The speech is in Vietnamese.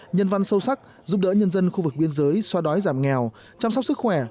nhân văn sâu sắc giúp đỡ nhân dân khu vực biên giới xóa đói giảm nghèo chăm sóc sức khỏe